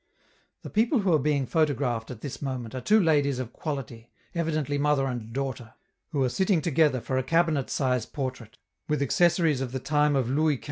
The people who are being photographed at this moment are two ladies of quality, evidently mother and daughter, who are sitting together for a cabinet size portrait, with accessories of the time of Louis XV.